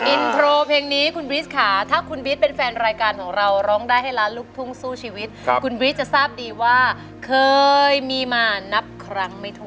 อินโทรเพลงนี้คุณบริสค่ะถ้าคุณบิ๊กเป็นแฟนรายการของเราร้องได้ให้ล้านลูกทุ่งสู้ชีวิตคุณบริสจะทราบดีว่าเคยมีมานับครั้งไม่ทั่ว